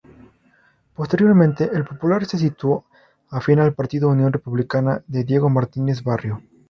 Posteriormente "El Popular" se situó afín al partido Unión Republicana, de Diego Martínez Barrio.